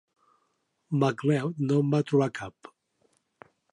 McLeod no en va trobar cap.